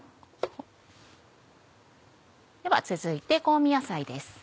では続いて香味野菜です。